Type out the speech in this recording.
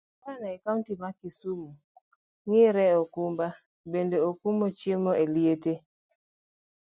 Gavana e kaunti ma kisumu ngire Okumba bende okumo chiemo e liete.